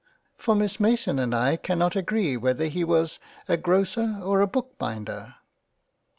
for Miss Mason and I cannot agree whether he was a Grocer or a Bookbinder."